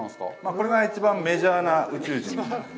これが一番メジャーな宇宙人になっています。